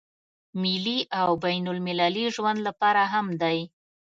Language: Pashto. ملي او بين المللي ژوند لپاره هم دی.